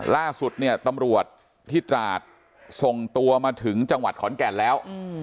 ล่าสุดเนี่ยตำรวจที่ตราดส่งตัวมาถึงจังหวัดขอนแก่นแล้ว